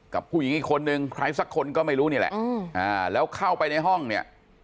กับผู้หญิงอีกคนนึงใครสักคนก็ไม่รู้นี่แหละแล้วเข้าไปในห้องเนี่ย